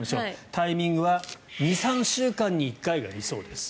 タイミングは２３週間に１回が理想です。